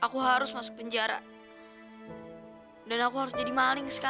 kau mau ke mana pak